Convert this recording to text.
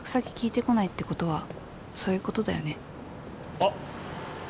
あっ！